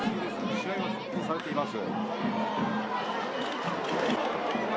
試合は続行されています。